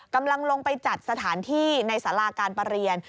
กำลังลงไปจัดสถานที่ในสาราการประเรียน